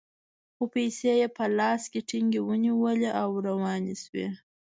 خو پیسې یې په لاس کې ټینګې ونیولې او روانې شوې.